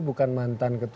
bukan mantan ketua